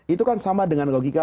itu kan sama dengan logika